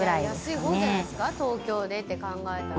安い方じゃないですか東京でって考えたら。